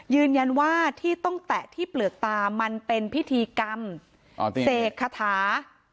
ยืนยันว่าที่ต้องแตะที่เปลือกตามันเป็นพิธีกรรมเสกคาถา